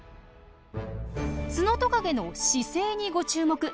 ツノトカゲの姿勢にご注目！